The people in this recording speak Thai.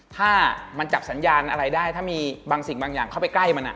ถ้ามันจับสัญญาณอะไรได้ถ้ามีบางสิ่งบางอย่างเข้าไปใกล้มัน